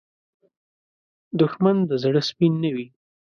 دښمن د زړه سپین نه وي